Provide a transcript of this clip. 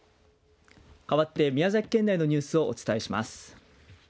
かわって宮崎県内のニュースをお伝えします。